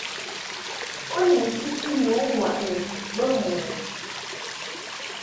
U ni nkiti nu ŋkwaʼni bə mɨ ?